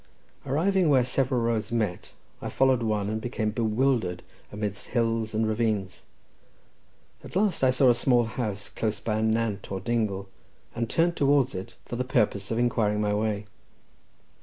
Arriving where several roads met, I followed one, and became bewildered amidst hills and ravines. At last I saw a small house close by a nant, or dingle, and turned towards it for the purpose of inquiring my way.